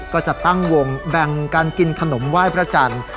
ก็จะตั้งวงแบ่งการกินขนมไหว้พระจันทร์